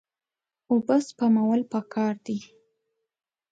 اوبه سپمول پکار دي.